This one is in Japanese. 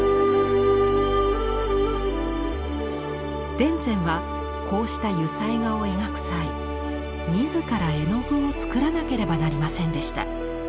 田善はこうした油彩画を描く際自ら絵の具を作らなければなりませんでした。